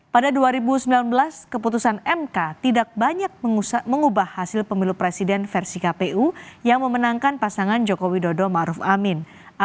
pada dua ribu sembilan belas keputusan mk tidak banyak mengubah hasil pemilu presiden versi kpu yang memenangkan pasangan joko widodo maruf amin